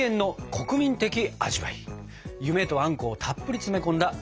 夢とあんこをたっぷり詰め込んだドラえもん